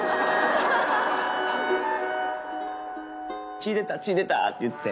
「血ぃ出た血ぃ出た」って言って。